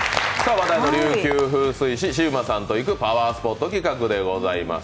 話題の琉球風水志・シウマさんと行くパワースポット企画でございます。